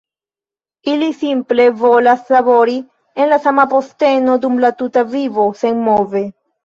Ili simple volas labori en la sama posteno dum la tuta vivo, senmove.